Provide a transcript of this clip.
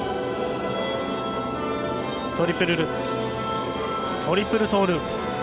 トリプルルッツ、トリプルトーループ。